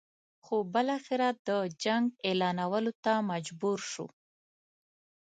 خو بالاخره د جنګ اعلانولو ته مجبور شو.